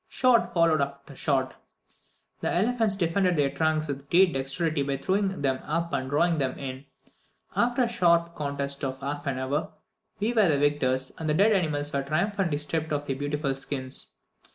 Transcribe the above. Shot followed shot; the elephants defended their trunks with great dexterity by throwing them up or drawing them in. After a sharp contest of half an hour, we were the victors, and the dead animals were triumphantly stripped of their beautiful skins.